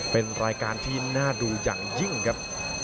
เป็นรายการที่น่าดูอย่างยิ่งครับ